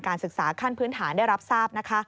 ศึกษาขั้นพื้นฐานได้รับทราบ